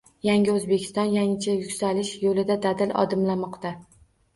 Yangi O‘zbekiston – yangicha yuksalish yo‘lida dadil odimlamoqda